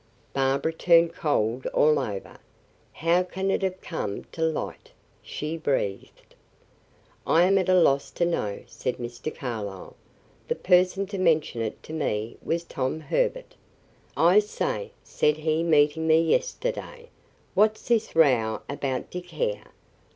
Barbara turned cold all over. "How can it have come to light?" she breathed. "I am at a loss to know," said Mr. Carlyle. "The person to mention it to me was Tom Herbert. 'I say,' said he meeting me yesterday, 'what's this row about Dick Hare?